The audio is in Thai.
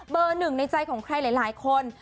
เบอร์หนึ่งในใจของคลายหลายคน